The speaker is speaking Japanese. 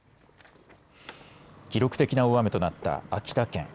記録的な大雨となった秋田県。